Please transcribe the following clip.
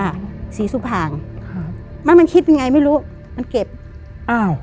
ฮะสีสุพางนะมันคิดไงไม่รู้มันเก็บอ้าว